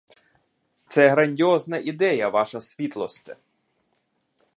Це грандіозна ідея, ваша світлосте!